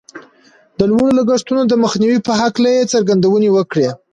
د لوړو لګښتونو د مخنيوي په هکله يې څرګندونې وکړې.